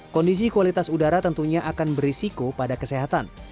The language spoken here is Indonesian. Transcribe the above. kondisi kualitas udara tentunya akan berisiko pada kesehatan